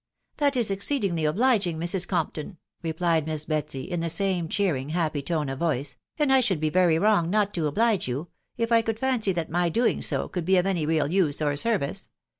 " That is exceedingly obliging, Mrs. Compton," replied Miss Betsy in the same cheering, happy tone of voice, " and I should be very wrong not to oblige you, if I could fancy that my doing so could be of any real use or service.